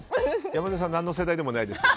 山添さんは何の世代でもないですが。